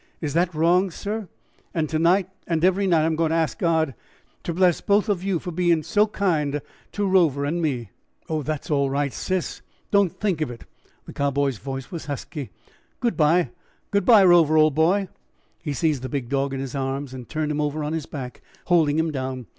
Is that wrong, sir? and to night and every night I'm goin' to ask God to bless both o' you for bein' so kind ter Rover and me." "Oh, that's all right, sis; don't think of it;" the Cowboy's voice was husky. "Good by; good by, Rover, old boy." He seized the big dog in his arms and turned him over on his back, holding him down.